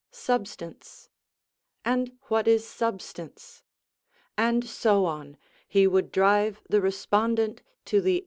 "Substance"; "And what is substance?" and so on, he would drive the respondent to the end of his Calepin.